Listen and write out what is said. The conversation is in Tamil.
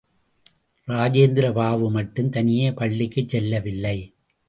இராஜேந்திர பாபு மட்டும் தனியே பள்ளிக்குச் செல்லவில்லை.